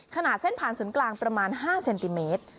ขนาดเส้นผ่านศูนย์กลางประมาณ๕เซนติเมตร